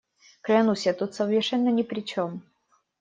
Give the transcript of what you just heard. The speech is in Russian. Клянусь, я тут совершенно ни при чем.